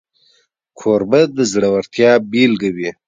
کوربه د زړورتیا بيلګه وي.